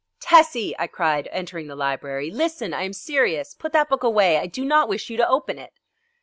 "Tessie!" I cried, entering the library, "listen, I am serious. Put that book away. I do not wish you to open it!"